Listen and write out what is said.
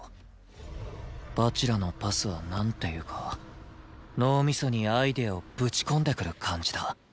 蜂楽のパスはなんていうか脳ミソにアイデアをぶち込んでくる感じだ。